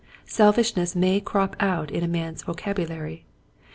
Selfishness may crop out in a man's vocabulary.